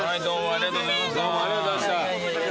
ありがとうございます。